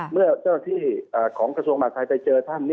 เมื่อเจ้าที่ของกระทรวงมหาธัยไปเจอท่าน